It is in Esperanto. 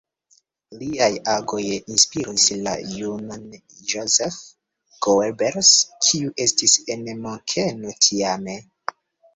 Liaj agoj inspiris la junan Joseph Goebbels, kiu estis en Munkeno tiame.